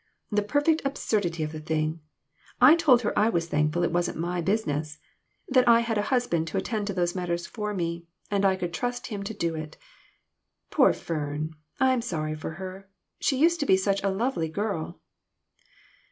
The perfect absurdity of the thing ! I told her I was thankful it wasn't my business that I had a husband to attend to those matters for me, and I could trust him to do it. Poor Fern ! I'm sorry for her. She used to be such a lovely girl."